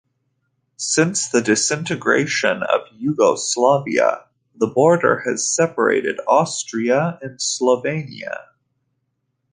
Since the disintegration of Yugoslavia, the border has separated Austria and Slovenia.